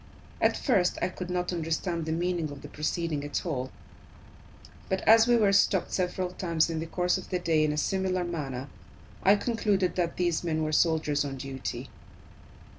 At first I could not understand the meaning of the proceeding at all; but, as we were stopped several times in the course of the day in a similar manner, I concluded that these men were soldiers on duty.